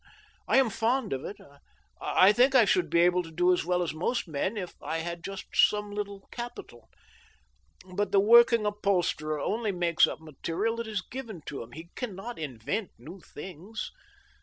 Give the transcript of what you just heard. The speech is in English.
... I am fond of it. I think I should be able to do as well as most men, if I had just some little capital. But the working upholsterer only makes up material that is given him. He can not invent new things.